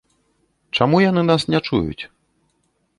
Чаму яны нас не чуюць?